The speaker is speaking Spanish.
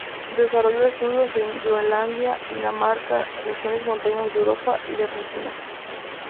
Desarrolló estudios en Groenlandia, Dinamarca, regiones montañosas de Europa, y de Argentina.